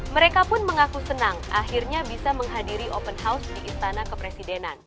mereka pun mengaku senang akhirnya bisa menghadiri open house di istana kepresidenan